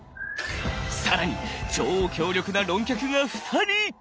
更に超強力な論客が２人！